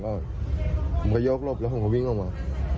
ก็ผมก็ยกหลบแล้วผมก็วิ่งออกมา